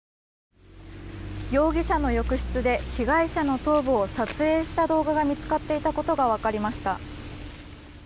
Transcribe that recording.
容疑者の浴室で被害者の頭部を撮影した動画が見つかっていたことが分かりました。